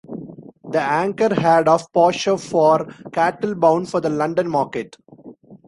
The Anchor had of pasture for cattle bound for the London market.